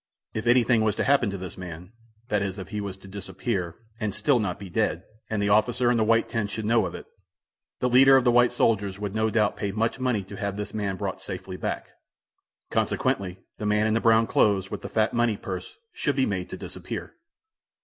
If anything was to happen to this man that is if he was to disappear, and still not be dead, and the officer in the white tent should know of it the leader of the white soldiers would no doubt pay much money to have his man brought safely back. Consequently the man in the brown clothes, with the fat money purse, should be made to disappear.